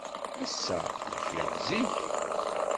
Ass-a, ukiɣ-d zik.